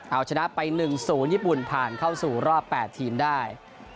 เอาชนะไป๑๐ญี่ปุ่นผ่านเข้าสู่รอบ๘ทีมได้